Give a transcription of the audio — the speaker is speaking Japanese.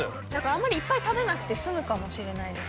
あんまりいっぱい食べなくて済むかもしれないです。